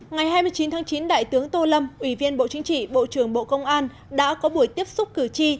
ngày hai mươi chín tháng chín đại tướng tô lâm ủy viên bộ chính trị bộ trưởng bộ công an đã có buổi tiếp xúc cử tri